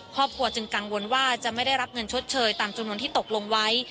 ครอบครัวจึงกังวลว่าจะไม่ได้รับเงินชดเชยตามจำนวนที่ตกลงไว้